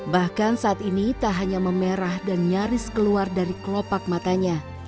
bahkan saat ini tak hanya memerah dan nyaris keluar dari kelopak matanya